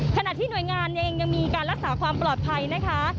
ขณะที่หน่วยงานเองยังมีการรักษาความปลอดภัยนะคะ